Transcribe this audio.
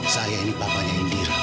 saya ini bapaknya indira